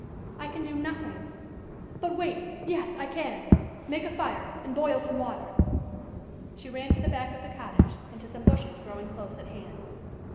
"I can do nothing. But wait, yes, I can! Make a fire, and boil some water!" She ran to the back of the cottage and to some bushes growing close at hand.